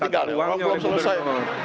tinggal ya orang belum selesai